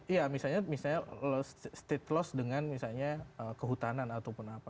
iya misalnya state loss dengan misalnya kehutanan ataupun apa